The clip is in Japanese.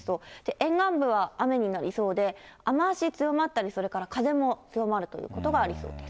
沿岸部は雨になりそうで、雨足強まったり、それから風も強まるということがありそうです。